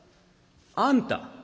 あんた！